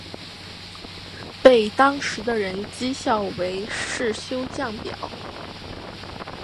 被当时的人讥笑为世修降表。